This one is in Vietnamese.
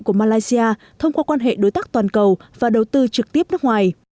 của malaysia thông qua quan hệ đối tác toàn cầu và đầu tư trực tiếp nước ngoài